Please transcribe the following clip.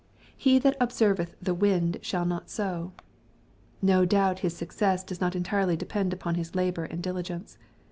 ^' He that observeth the wind shall not sow." No doubt his success does not entirely depend upon his labor and diligence.